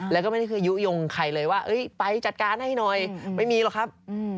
แล้วก็ไม่ได้คือยุโยงใครเลยว่าไปจัดการให้หน่อยไม่มีหรอกครับ